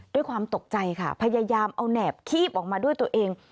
ด้วยความตกใจค่ะพยายามเอาแหนบคีบออกมาด้วยตัวเอง